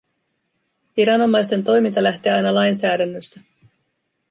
Viranomaisten toiminta lähtee aina lainsäädännöstä.